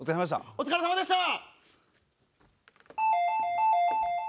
お疲れさまでした！